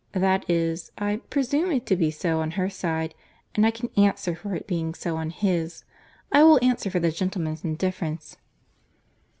That is, I presume it to be so on her side, and I can answer for its being so on his. I will answer for the gentleman's indifference."